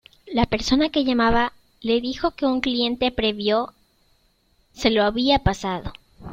La persona que llamaba le dijo que un cliente previo se lo había pasado.